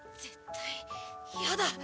絶対やだ！